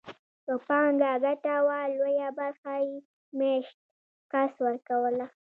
که پانګه ګډه وه لویه برخه یې مېشت کس ورکوله